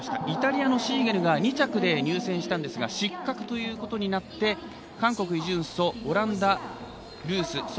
イタリアのシーゲルが２着で入選したんですが失格ということになって韓国、イ・ジュンソオランダ、ルース